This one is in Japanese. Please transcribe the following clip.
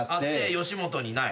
「吉本にない」